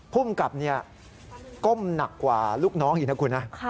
ภูมิกับก้มหนักกว่าลูกน้องอีกนะคุณนะ